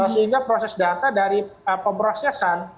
sehingga proses data dari pemrosesan